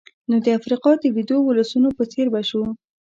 نو د افریقا د ویدو ولسونو په څېر به شو.